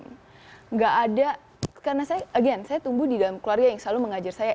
tidak ada karena saya again saya tumbuh di dalam keluarga yang selalu mengajar saya